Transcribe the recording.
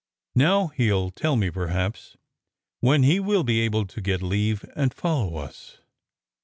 "Now he ll tell me, perhaps, when he will be able to get leave and follow us."